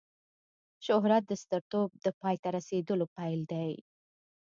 شهرت د سترتوب د پای ته رسېدلو پیل دی.